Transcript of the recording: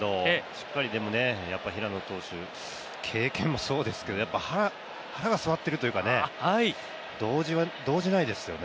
しっかり平野投手、経験もそうですけど腹が据わってるというか、同じないですよね。